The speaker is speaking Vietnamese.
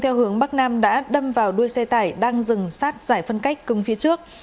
theo hướng bắc nam đã đâm vào đuôi xe tải đang dừng sát giải phân cách cứng phía trước